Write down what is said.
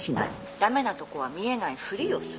駄目なとこは見えないふりをする。